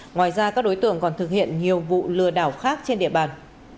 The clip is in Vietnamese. ngoài ra các đối tượng còn thực hiện nhiều vụ lừa đảo khác trên địa bàn